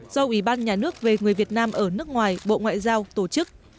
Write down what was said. do ủy ban nhà nước về người việt nam ở nước ngoài bộ ngoại giao tổ chức